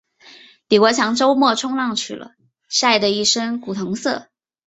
李国强周末冲浪去了，晒得一身古铜色。